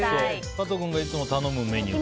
加藤君がいつも頼むメニュー